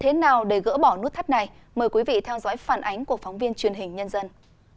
thế nào để gỡ bỏ nút thắt này mời quý vị theo dõi phản ánh của phóng viên truyền hình nhân dân